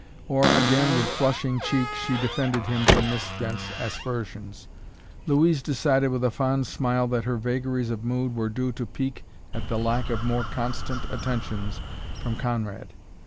Or, again, with flushing cheek, she defended him from Miss Dent's aspersions. Louise decided, with a fond smile, that her vagaries of mood were due to pique at the lack of more constant attentions from Conrad.